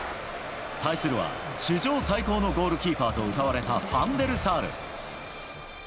対するは、史上最高のゴールキーパーとうたわれたファン・デル・サール。